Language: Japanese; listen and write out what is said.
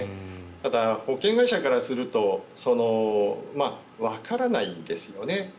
ただ、保険会社からするとわからないんですよね。